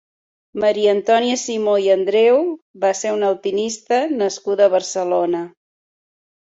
Maria Antònia Simó i Andreu va ser una alpinista nascuda a Barcelona.